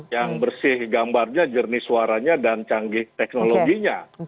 yang bersih gambarnya jernih suaranya dan canggih teknologinya